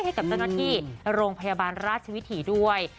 ให้กับเจ้าหน้าที่โรงพยาบาลราชวิถีด้วย